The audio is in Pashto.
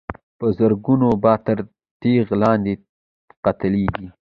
په زرګونو به تر تېغ لاندي قتلیږي